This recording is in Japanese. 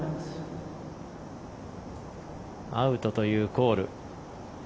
アウトというコール。